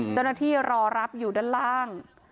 เจ้าหน้าที่รอรับอยู่ด้านล่าง